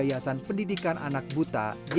saya kira sudah pulang ke transition up the stage